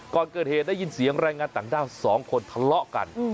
ก่อนเกิดเหตุได้ยินเสียงแรงงานต่างด้าว๒คนทะเลาะกัน